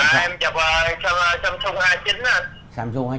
em chụp samsung hai mươi chín anh